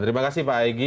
terima kasih pak egy